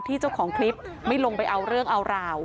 เจ้าของคลิปไม่ลงไปเอาเรื่องเอาราว